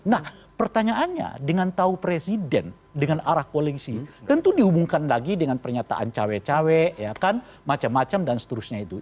nah pertanyaannya dengan tahu presiden dengan arah koalisi tentu dihubungkan lagi dengan pernyataan cawe cawe ya kan macam macam dan seterusnya itu